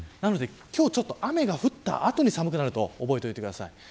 今日、雨が降った後に寒くなると覚えておいてください。